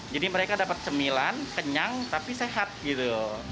jadi mereka dapat camilan kenyang tapi sehat gitu